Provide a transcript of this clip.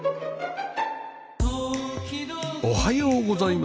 おはようございます。